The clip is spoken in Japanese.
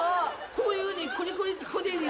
こういうふうにクリクリって。